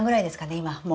今もう。